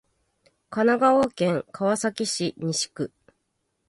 神奈川県川崎市西区